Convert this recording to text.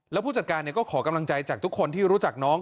แล้วผู้จัดการก็ขอกำลังใจจากทุกคนที่รู้จักน้อง